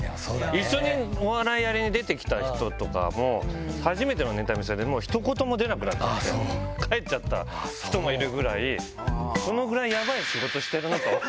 一緒にお笑いで出てきた人とかも、初めてのネタ見せでもひと言も出なくなって、帰っちゃった人もいるぐらい、そのぐらいやばい仕事してるなと。